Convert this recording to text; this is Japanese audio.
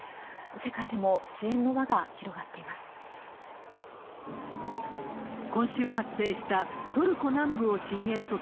世界でも支援の輪が広がっています。